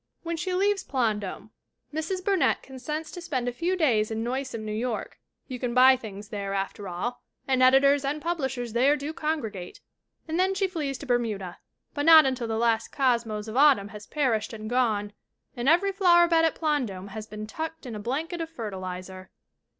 When she leaves Plandome Mrs. Burnett consents to spend a few days in noisome New York you can buy things there, after all, and editors and publishers there do congregate and then she flees to Bermuda. But not until the last cosmos of autumn has perished and gone and every flowerbed at Plandome has been "tucked in a blanket of fertilizer."